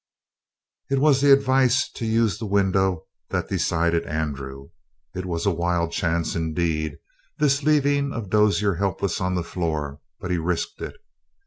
It was the advice to use the window that decided Andrew. It was a wild chance indeed, this leaving of Dozier helpless on the floor; but he risked it.